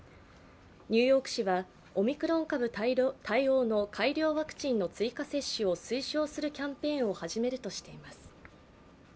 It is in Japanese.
ニューヨーク市はオミクロン株対応の改良ワクチンの追加接種を推奨するキャンペーンを始めるとしています。